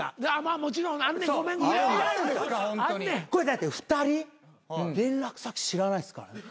だって２人連絡先知らないっすからね。